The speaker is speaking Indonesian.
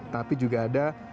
tapi juga ada